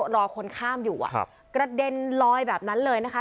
รอคนข้ามอยู่กระเด็นลอยแบบนั้นเลยนะคะ